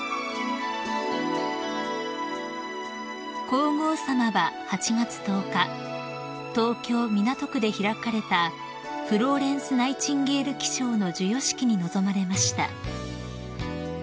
［皇后さまは８月１０日東京港区で開かれたフローレンス・ナイチンゲール記章の授与式に臨まれました］